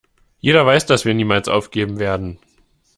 Jeder weiß, dass wir niemals aufgeben werden!